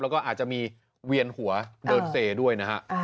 แล้วก็อาจจะมีเวียนหัวเดินเซด้วยนะฮะ